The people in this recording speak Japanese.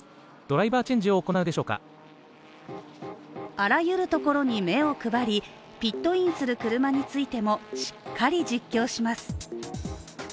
あらゆるところに目を配り、ピットインする車についてもしっかり実況します。